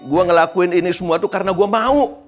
gue ngelakuin ini semua tuh karena gue mau